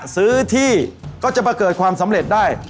ซื้อที่ก็จะมาเกิดความสำเร็จได้